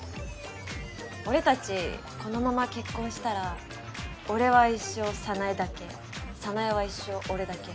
「俺たちこのまま結婚したら俺は一生早苗だけ早苗は一生俺だけ」